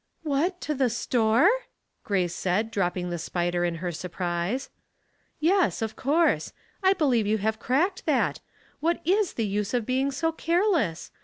■" What, to the store !" Grace said, dropping the spider in her surprise. " Yes, of course. I believe you have cracked that. What is the use of being so careless?